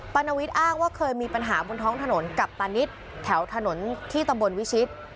รณวิทย์อ้างว่าเคยมีปัญหาบนท้องถนนกับตานิดแถวถนนที่ตำบลวิชิต